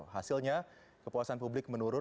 hasilnya kepuasan publik menurun